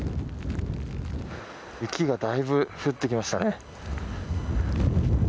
雪がだいぶ降ってきましたね。